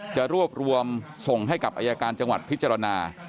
จะรวบรวมส่งให้กับอายการจังหวัดพิจารณา